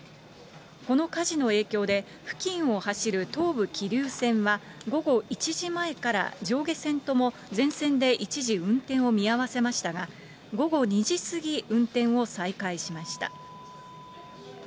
この火事の影響で、付近を走る東武桐生線は、午後１時前から上下線とも全線で一時運転を見合わせましたが、午後２時過ぎ、運転を再開しました。